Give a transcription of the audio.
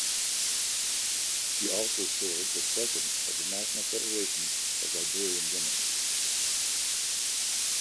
She also served as president of the National Federation of Liberian Women.